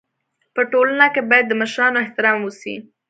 په ټولنه کي بايد د مشرانو احترام وسي.